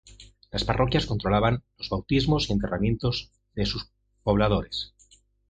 Las parroquias controlaban los bautismos y enterramientos de sus pobladores.